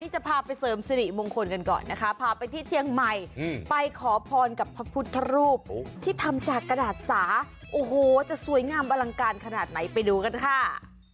จะพาไปเสริมสิริมงคลกันก่อนนะคะพาไปที่เจียงใหม่ไปขอพรกับพระพุทธรูปที่ทำจากกระดาษสาโอ้โหจะสวยงามอลังการขนาดไหนไปดูกันค่ะ